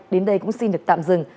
đến đây cũng xin được tạm dừng